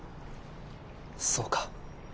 そうか。